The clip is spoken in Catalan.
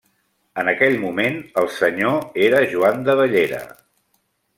En aquell moment, el senyor era Joan de Bellera.